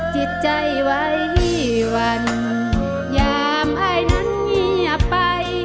จิตใจไว้วันยามไอนั้นเงียบไป